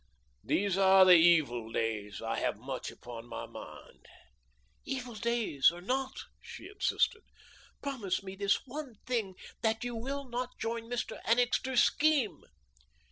These are the evil days. I have much upon my mind." "Evil days or not," she insisted, "promise me this one thing, that you will not join Mr. Annixter's scheme."